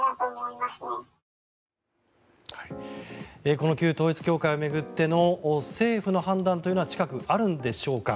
この旧統一教会を巡っての政府の判断というのは近くあるんでしょうか。